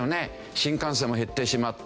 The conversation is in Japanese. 新幹線も減ってしまった。